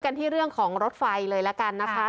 ที่เรื่องของรถไฟเลยละกันนะคะ